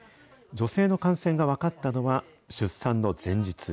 女性の感染が分かったのは、出産の前日。